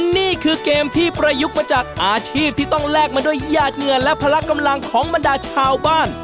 นี่คือเกมที่ประยุกต์มาจากอาชีพที่ต้องแลกมาด้วยหยาดเงินและพละกำลังของบรรดาชาวบ้าน